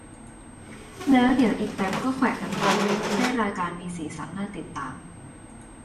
แล้วเดี๋ยวอีกแป๊ปก็แขวะกันต่อ ให้รายการมีสีสันน่าติดตาม